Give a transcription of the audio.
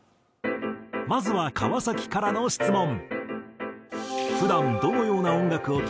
まずは川崎からの質問。